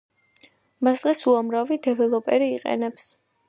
მას დღეს უამრავი დეველოპერი იყენებს.